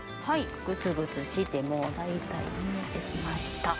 グツグツしてもう大体煮えてきました。